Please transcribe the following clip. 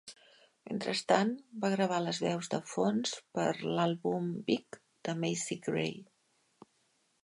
Mentrestant, va gravar les veus de fons per a l'àlbum "Big" de Macy Gray.